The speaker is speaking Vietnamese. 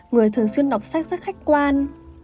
người thường xuyên đọc sách rất khách quan